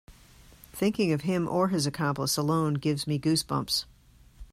Thinking of him or his accomplice alone gives me goose bumps.